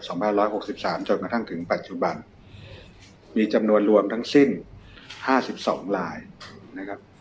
พันร้อยหกสิบสามจนกระทั่งถึงปัจจุบันมีจำนวนรวมทั้งสิ้นห้าสิบสองลายนะครับ